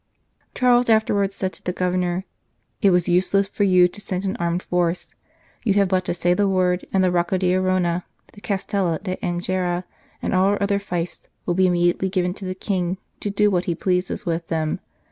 Charles afterwards said to the Governor :" It was useless for you to send an armed force ; you have but to say the word, and the Rocca d Arona, the Castello d Angera, and all our other fiefs, will be immediately given to the King to do what he pleases with them.